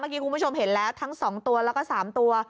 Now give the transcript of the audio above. เมื่อกี้คุณผู้ชมเห็นแล้วทั้งสองตัวแล้วก็สามตัว